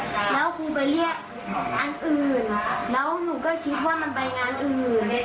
แล้วครูไปเรียกอันอื่นแล้วหนูก็คิดว่ามันไปงานอื่น